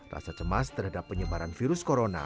rasa cemas terhadap penyebaran virus corona